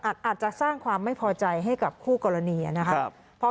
อาจจะสร้างความไม่พอใจให้กับคู่กรณีนะครับ